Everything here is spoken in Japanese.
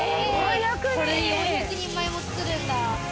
これで４００人前も作るんだ。